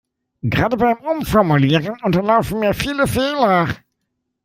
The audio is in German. Gerade beim Umformulieren unterlaufen mir viele Fehler.